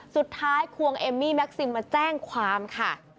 ควงเอมมี่แม็กซิมมาแจ้งความค่ะ